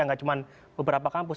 tidak cuma beberapa kampus